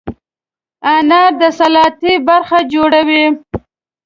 انار د سلاتې برخه جوړوي.